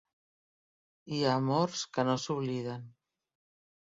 Hi ha amors que no s'obliden.